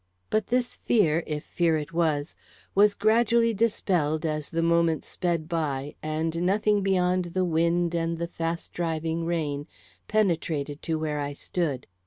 But this fear, if fear it was, was gradually dispelled as the moments sped by, and nothing beyond the wind and the fast driving rain penetrated to where I stood.